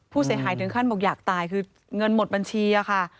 ผู้เสียหายถึงขั้นบอกอยากตายคือเงินหมดบัญชีอะค่ะ